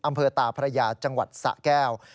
อำเภอตาพระยาจังหวัดสะแก้ว